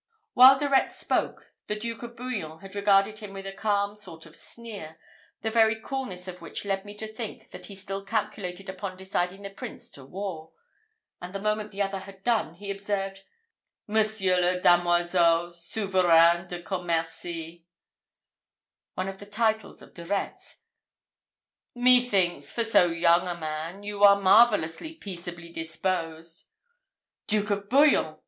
While De Retz spoke, the Duke of Bouillon had regarded him with a calm sort of sneer, the very coolness of which led me to think that he still calculated upon deciding the Prince to war; and the moment the other had done, he observed, "Monsieur le Damoisau, Souverain de Commerci" one of the titles of De Retz "methinks, for so young a man, you are marvellously peaceably disposed." "Duke of Bouillon!"